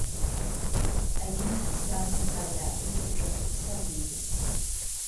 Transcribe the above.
Одиннадцать стран Центральной Африки уже подписали ее.